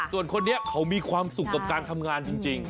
ส่วนคนนี้เขามีความสุขกับการทำงานจริง